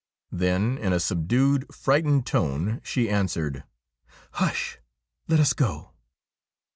Then in a subdued, frightened tone she answered :' Hush ! let us go.'